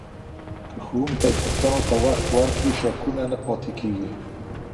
که ښوونکی پوښتنو ته وخت ورکړي، شکونه نه پاته کېږي.